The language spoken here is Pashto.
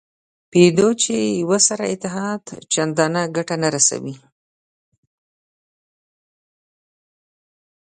پوهېده چې له یوه سره اتحاد چندانې ګټه نه رسوي.